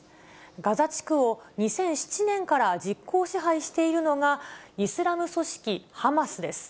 ガザ地区を２００７年から実効支配しているのが、イスラム組織ハマスです。